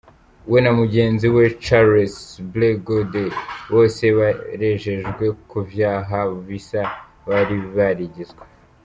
We na mugenzi we Charles Blé Goudé, bose barejejwe kuvyaha bisa bari barigizwa.